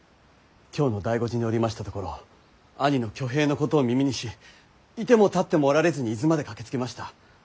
京の醍醐寺におりましたところ兄の挙兵のことを耳にし居ても立ってもおられずに伊豆まで駆けつけました。